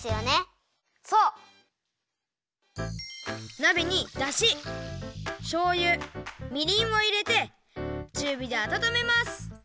なべにだししょうゆみりんをいれてちゅうびであたためます。